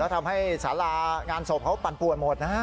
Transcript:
ทำให้สารางานศพเขาปั่นป่วนหมดนะฮะ